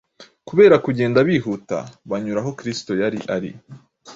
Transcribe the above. Kubera kugenda bihuta, banyura aho Kristo yari ari,